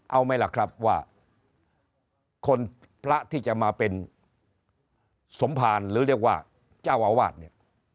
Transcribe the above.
เอาไหมล่ะครับว่าคนพระที่จะมาเป็นสมภารหรือเรียกว่าเจ้าอาวาสเนี่ย